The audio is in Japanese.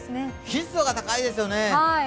湿度が高いですよね。